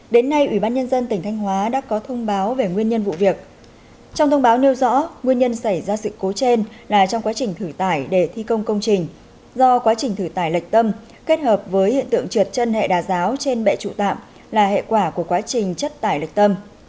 đến nay ủy ban nhân dân tỉnh thanh hóa đã có thông báo về nguyên nhân vụ việc trong thông báo nêu rõ nguyên nhân xảy ra sự cố trên là trong quá trình thử tải để thi công công trình do quá trình thử tải lệch tâm kết hợp với hiện tượng trượt chân hệ đà giáo trên bệ trụ tạm là hệ quả của quá trình chất tải lịch tâm